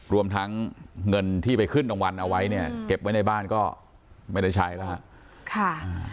รวมทั้งเงินที่ไปขึ้นรางวัลเอาไว้เนี่ยเก็บไว้ในบ้านก็ไม่ได้ใช้แล้วฮะ